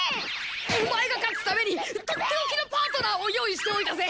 お前が勝つためにとっておきのパートナーを用意しておいたぜ。